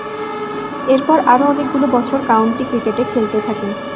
এরপর আরও অনেকগুলো বছর কাউন্টি ক্রিকেটে খেলতে থাকেন।